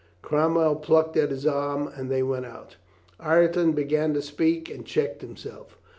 Crom well plucked at his arm and they went out. Ireton began to speak and checked himself.